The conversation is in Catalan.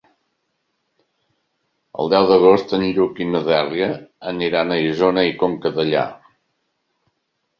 El deu d'agost en Lluc i na Dèlia aniran a Isona i Conca Dellà.